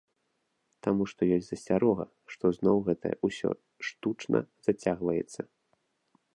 Таму што ёсць засцярога, што зноў гэта ўсё штучна зацягваецца.